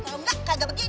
kalau enggak kagak begini